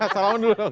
salam dulu dong